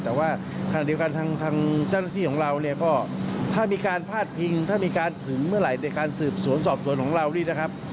แต่ว่าขณะเดียวกันทางเจ้าหน้าที่ของเราเนี่ยก็ถ้ามีการพาดพิงถ้ามีการถึงเมื่อไหร่ในการสืบสวนสอบสวนของเรานี่นะครับ